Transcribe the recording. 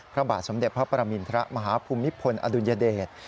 พระบาทสมเด็จพระปรมินทรมาฮภูมิพลอดุลยเดช